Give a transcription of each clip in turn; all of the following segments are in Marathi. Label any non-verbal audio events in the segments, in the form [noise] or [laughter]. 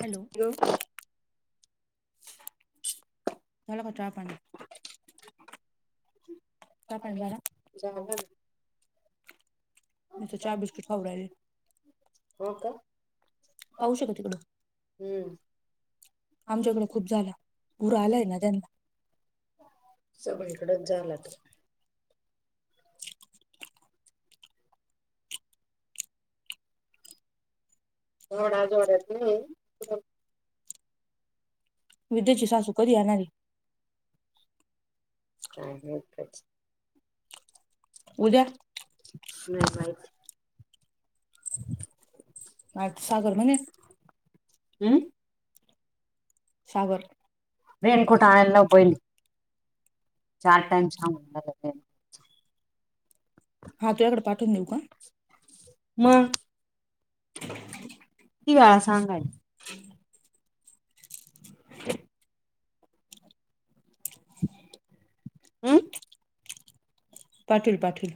हॅलो! झाला का चहा पाणी? चहा पाणी झाला. झाला ना चहा बिस्ककीट खाऊ राहिले. हो का पाहू शकत त तुला हम्म आमच्याकडें खूप झाला पुरं आलाय ना त्यांना सगळीकडच झालाय डा जोरत नाही विदेची सासू कधी येणारी? [unintelligible] जा उद्या नाही बाई आज सागर म्हणे हम् सागर रेनकोट आणायला लाव पहिले चार टाइम हा तुझ्याकडे पाठवून देऊ का? ति वेळा सांगाय तर हम्म पाटील पाटील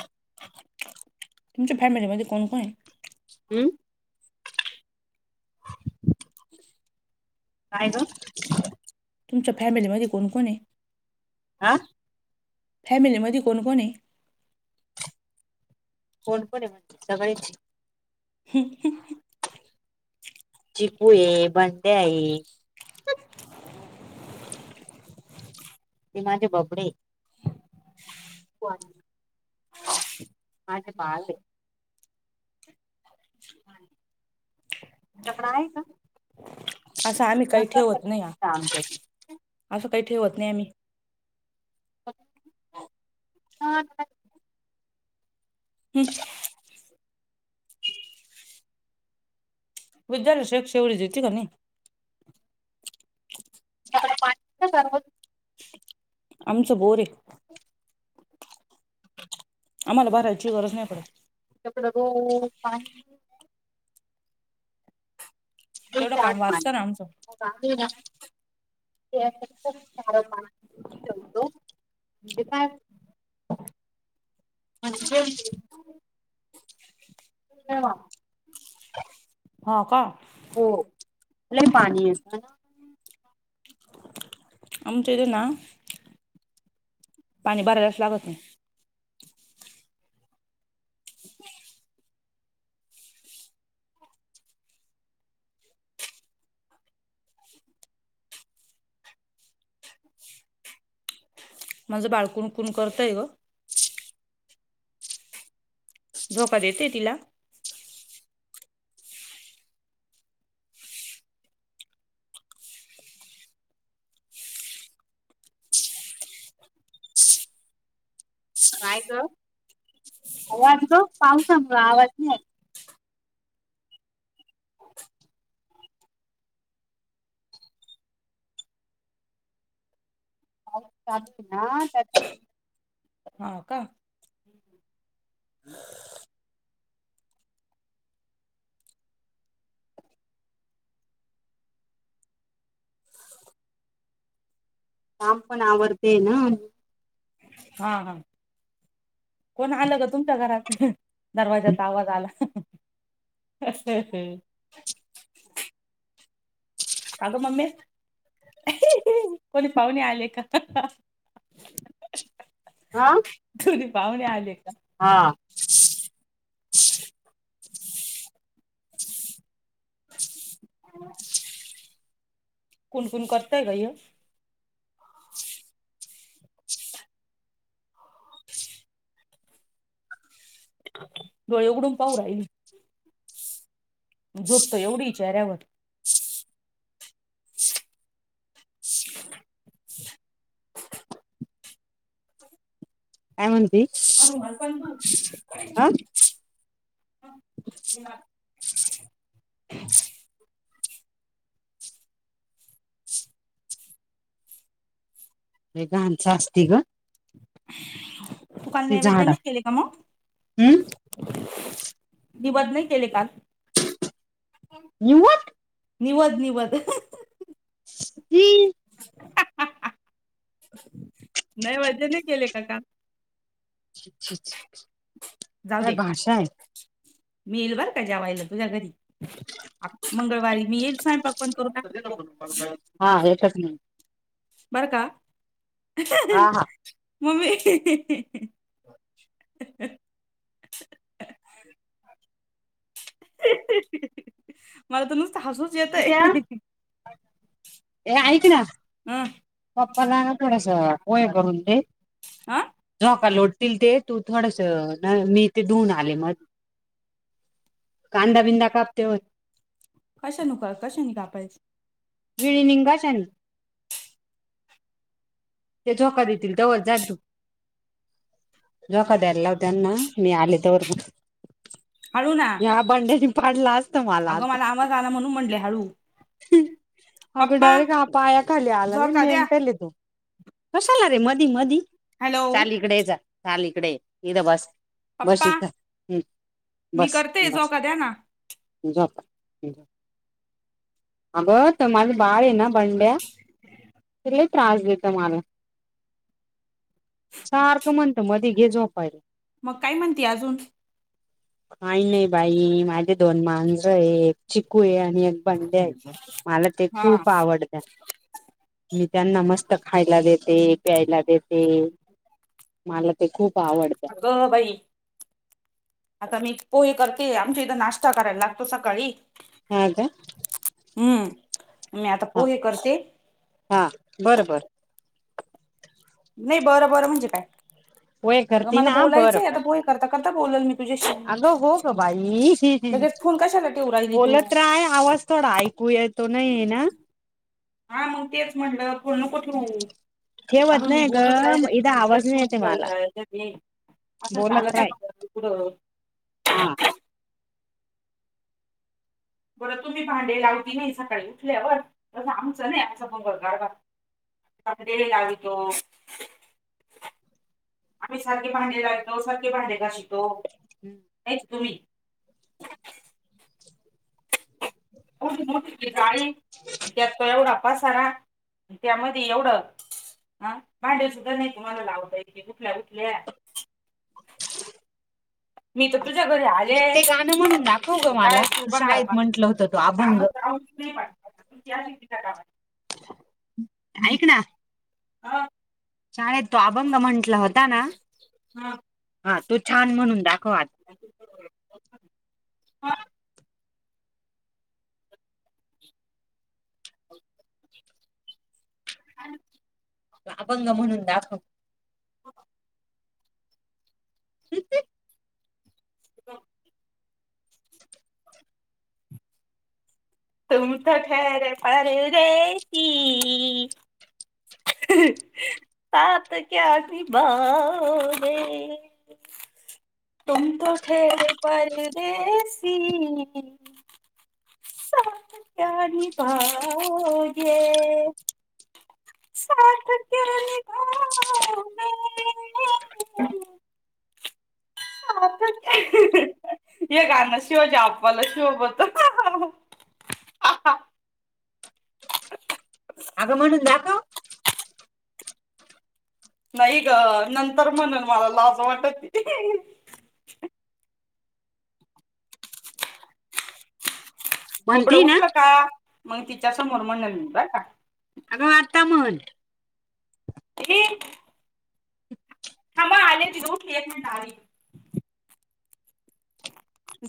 तुमच्या फॅमिलीमध्ये कोण कोण आहे? हम्म काय ग? तुमच्या फॅमिलीमध्ये कोण कोणी आहे? हा फॅमिलीमध्ये कोण कोण आहे? कोण कोण आहे म्हणजे सगळेच ह् चपू ये भंड्या आहे. ते माझे बबडे माझे बाळ आहे. ह तुझ्याकडे आहे का असं आम्ही काही ठेवत नाही आ आमच्याकडे असं काही ठेवत नाही आम्ही हा हम बुद्ल शे एक शेवढी जेतती का? [unintelligible] आमचं बोरे आहे. आम्हाला भरायची गरज नाही पडत. कपड र पा तेवढं काम वाचतं म ना आमचं मग [unintelligible] खूप सारं पाणी ठेवतो ते काय [unintelligible] अच्छा! हम हो का? हो लई पाणी आमच्या इथे ना पाणी बरायला लागत नाही. [unintelligible] माझं बाळ कुणकुण करतय ग. झोका देते तिला काय ग! आवाज ग पावसामूळ आवाज नाही [unintelligible] हो का? हम् [unintelligible] काम पण आवडते ना हा हा कोण आलं ग तुमच्या घरात दरवाज्याचा आवाज आला हग ममी कोणी पाहुणे आले का आा तुरी पाहुणे आले का? हा [unintelligible] कुण कुण करतय काय डोळे उघडून पाहू राहिली झोप त एवढीये चेऱ्यावर [inaudible] काय म्हणती ह का ह लय घाण साचती ग तु काल ती नैविद्याने झाडा नाही केले का? म हम्म निवद नाही केले काल? न्यूठ निवज निवद हम्म नैवद्य नाही केले का काम? अ्छ अछ जाऊ दे मी येईल बर का ज्यावाईला तुझ्या घरी मंगळवारी मी येईल सायंपाक पण करू टकु तो हा हेचच नाही बर का? अह ह हा हा मम्मी हिहि हि हह हहह मला तर नुसत हसूच जेत विद्या ए ऐक ना हा पप्पाला ना थोडस पोये करून दे हा जो का लोटतील ते तू थोडस मी ते धुऊून आले मग [inaudible] कांदा बिंदा कापतेवर कशा न कशा नि कापायच विळी निंगाशन ते झोका देतील तवर जा तू जोका दया मला लाव त्यांना मी आले तवर हळू ना ह्या बांड्यानी पाडलास अगं मला आवाज आला म्हणून म्हणले हळू अग पप्पा डायरेक्ट हा पाया खाली आला लय झोका द्या मेंटेल तो [inaudible] कशाला रे मधी मधी हॅलो चाल इकडे जा चाल इकडे एकदा बस बस पप्पा इथ ह मी बस करते बस झोका द्या ना जोका दिला अ बं त माझ बाळ आहे ना बंड्या [inaudible] त त्रास देत मला सारखं म्हणत मध्ये घे झो पाय रे मग काय म्हणते अजून. काही नाही बाई माझे दोन मांजर ये. चिकू आहे आणि एक बंड्या आहे मला ते हा खूप आवडत्या.. मी त्यांना मस्त खायला देते, प्यायला देते. मला. ते खूप आवडत्या. अ बई. आता मी पोहे करते आमच्या इथं नाश्ता करायला लागतो सकाळी. हा का. हम्म मी आता पोहे करते. हां बरं बरं. नाही बरं बरं म्हणजे काय होय अग करती मला ना बरं बोलायचंय बर आता बोय करता करता बोलाल मी. तुझ्याशी अगं हो ग बाई लगेच फोन कशाला ठेवू राहिली तू बोलत राय आवाज. थोडा ऐकूयाेतो नाहीय ना. हा मग तेच म्हटलं बोलण कुठे होऊ. ठेवत अगं मी नाही ग बोलत इदा आवाज नाही येते मला राहिचयलायच मी. असं बोलत चालतय राय म पुढं. हा. बरं तुम्ही भांडे लावती नाही सकाळी उठल्यावर तसं आमचं नाही आा बंगर गारवाार. लगतो. आम्ही सारखे भांडे ला ऐतो सारखे भांडे का शितो. हं. हेच तुम्ही. [inaudible] ठठ काळी त्यात तो एवढा पाासारा. त्यामध्ये एवढं ह भांड्या सुद्धा नाही तुम्हाला लावताय के गुठल्या गुठल्या मी तर तुझ्या घरी एक आलेय ते गाणं म्हणून दाखव ग काय मला तू चुकान शाळेत करपना म्हंटलं होत तो काम. अभंग पण. त क रिती कवा ऐक ना हा. शाळेत तो अबंग म्हंटला होता ना हा हा तो छान म्हणून दाखवा. हा. अ. अभंग म्हणून दाखव. ह. कती. का. तुम तो खेरे फ रे क. सात क्यास बणे. त त ठेर पा देशीी. णी पाजे. शात केली का. हे गाना शिवज आपवाला शिव बत. हा हा. अगं म्हणून दाखव. नाही ग नंतर म्हणेल मला लाज वाटत. म्हणती बबडं ना उठलं का मग तिच्या समोर मंडलय का. अगं वाारता म्हण. ह. आले ती दोन एक मिनट आली.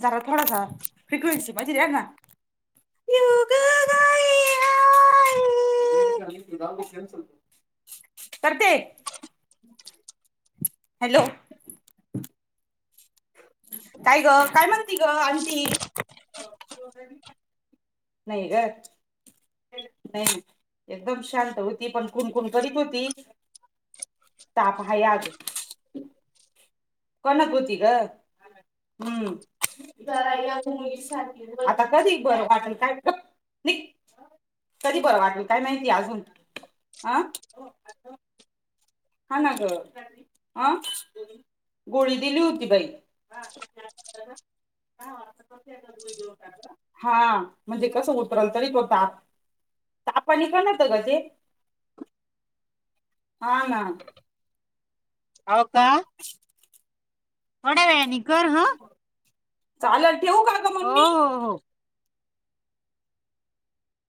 झाला थोडासा फ्रिक्वेन्सी पाहिजे या ना. योग गाय. करते. हॅलो. काय ग काय म्हगती ग आंटी नाही ग. नाही एकदम शांत होती पण खुनकुून करीत होती. तापहा आगो कणाकृती का हम्म ज मु आता कधी बरं वाटल काय? न कधी बर वाटल काय माहिती अजून अं हा ना ग ह गोळी दिली होती बाई. वा. हा म्हणजे कसं उतरल तरी तता तपानीिकाल होत ग ते हम. हो का. [unintelligible] थोड्या वेळाने कर. चालेल ठेव का? ग हो मम्मी हो हो.